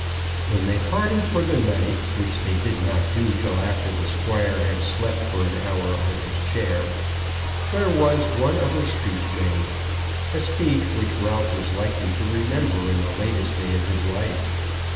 When they parted for the night, which they did not do till after the Squire had slept for an hour on his chair, there was one other speech made, a speech which Ralph was likely to remember to the latest day of his life.